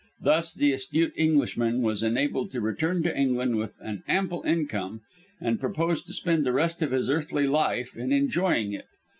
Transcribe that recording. Thus the astute Englishman was enabled to return to England with an ample income, and proposed to spend the rest of his earthly life in enjoying it.